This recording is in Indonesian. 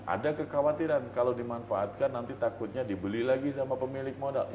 ada kekhawatiran kalau dimanfaatkan nanti takutnya dibeli lagi sama pemilik modal